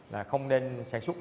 là không nên sản xuất